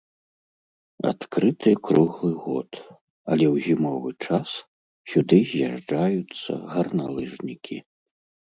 Адкрыты круглы год, але ў зімовы час сюды з'язджаюцца гарналыжнікі.